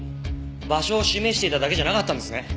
場所を示していただけじゃなかったんですね。